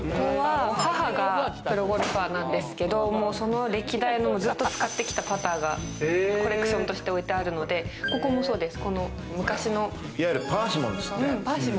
母がプロゴルファーなんですけど、その歴代のをずっと使ってきたパターがコレクションとして置いてあるので、ここもそうです。